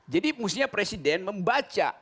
jadi musuhnya presiden membaca